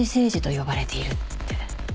呼ばれてるって。